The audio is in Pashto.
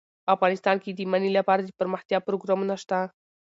افغانستان کې د منی لپاره دپرمختیا پروګرامونه شته.